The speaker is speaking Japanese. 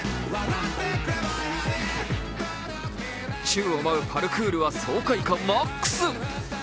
宙を舞うパルクールは爽快感マックス。